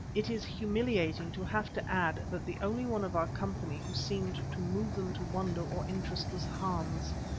It is humiliating to have to add that the only one of our company who seemed to move them to wonder or interest was Hans.